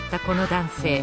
この男性。